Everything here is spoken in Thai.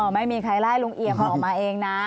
อ๋อไม่มีใครไล่ลุงเอี่ยมออกมาเองนะ